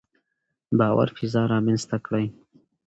باور فضا رامنځته کړئ.